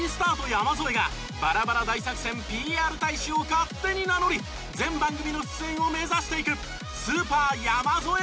山添がバラバラ大作戦ＰＲ大使を勝手に名乗り全番組の出演を目指していく。